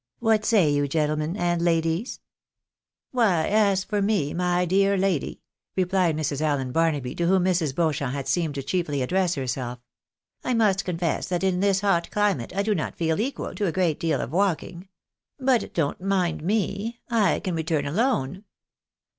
What say you, gentlemen and ladies ?"" Why, as for me, my dear lady," replied Mrs. Allen Barnaby, to whom Mrs. Beauchamp had seemed to chiefly address herself, "I must confess that in this hot climate I do not feel equal to a great deal of walking. But don't mind me. I can return' alone."